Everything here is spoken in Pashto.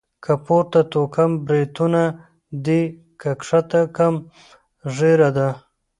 که پورته توکم بريتونه دي.، که کښته توکم ږيره ده.